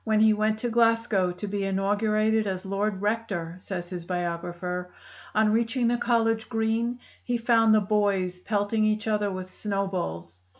"When he went to Glasgow to be inaugurated as Lord Rector," says his biographer, "on reaching the college green he found the boys pelting each other with snowballs.